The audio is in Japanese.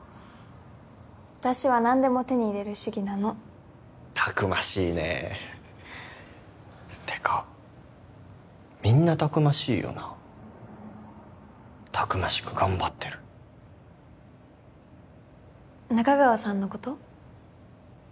私は何でも手に入れる主義なのたくましいねてかみんなたくましいよなたくましく頑張ってる仲川さんのこと？